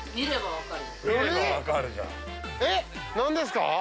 えっ何ですか？